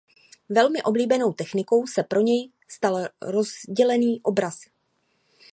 Velmi oblíbenou technikou se pro něj stal rozdělený obraz.